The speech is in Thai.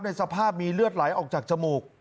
สภาพมีเลือดไหลออกจากจมูก